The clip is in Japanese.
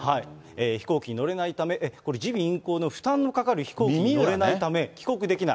飛行機に乗れないため、これ、耳鼻咽喉の負担のかかる飛行機に乗れないため、帰国できない。